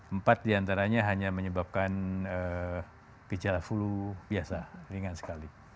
empat diantaranya hanya menyebabkan gejala flu biasa ringan sekali